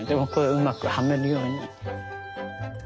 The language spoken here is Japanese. うまくはめるように。